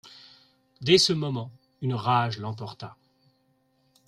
Dès ce moment, une rage l'emporta.